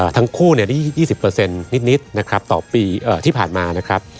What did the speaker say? ทั้งคู่ได้๒๐นิดนะครับต่อปีที่ผ่านมานะครับ